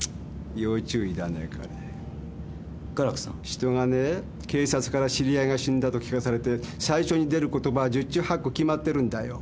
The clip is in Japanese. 人がね「警察から知り合いが死んだ」と聞かされて最初に出る言葉は十中八九決まってるんだよ。